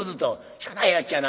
しゃあないやっちゃな。